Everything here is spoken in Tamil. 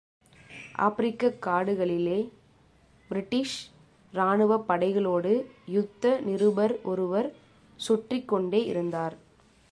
ஆப்பிரிக்கக் காடுகளிலே, பிரிட்டிஷ் இராணுவப் படைகளோடு யுத்த நிருபர் ஒருவர் சுற்றிக் கொண்டே இருந்தார்.